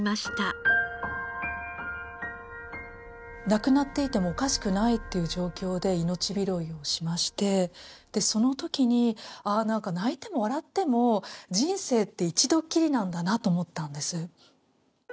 亡くなっていてもおかしくないっていう状況で命拾いをしましてその時にああなんか泣いても笑っても人生って一度きりなんだなと思ったんです。